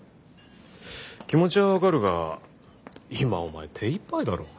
気持ちは分かるが今お前手いっぱいだろう？